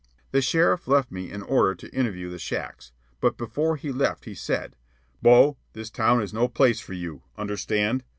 The sheriff left me in order to interview the shacks, but before he left he said: "Bo, this town is no place for you. Understand?